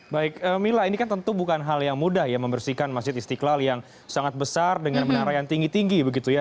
baik mila ini kan tentu bukan hal yang mudah ya membersihkan masjid istiqlal yang sangat besar dengan menara yang tinggi tinggi begitu ya